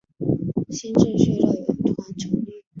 新秩序乐团成立。